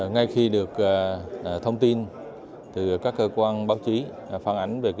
ngay khi được thông tin từ các cơ quan báo chí phản ảnh về vụ